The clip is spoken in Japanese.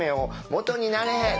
もとになれ！